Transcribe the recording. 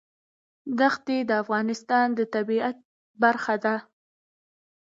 دښتې د افغانستان د طبیعت برخه ده.